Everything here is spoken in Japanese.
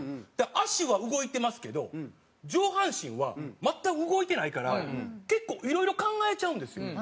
足は動いてますけど上半身は全く動いてないから結構いろいろ考えちゃうんですよ。